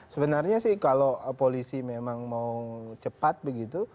sebenarnya sih kalau polisi memang mau cepat begitu